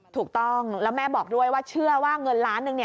ถูกต้องแล้วแม่บอกด้วยว่าเชื่อว่าเงินล้านหนึ่ง